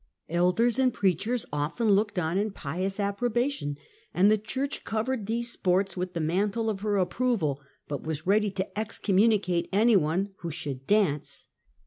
Elders and preachers often looked on in pious appro bation, and the church covered these sports with the mantle of her approval, but was ready to excommuni cate any one who should dance.